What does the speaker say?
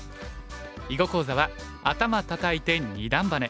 囲碁講座は「アタマたたいて二段バネ」。